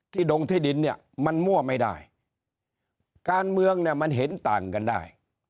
ดงที่ดินเนี่ยมันมั่วไม่ได้การเมืองเนี่ยมันเห็นต่างกันได้